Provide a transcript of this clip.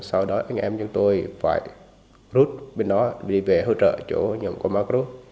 sau đó anh em của chúng tôi phải rút bên đó đi về hỗ trợ chỗ nhóm của amagru